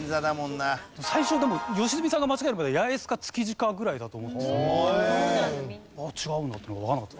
最初でも良純さんが間違えるまで八重洲か築地かぐらいだと思ってたので違うんだってわかんなかった。